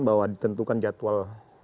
bahwa ditentukan jadwal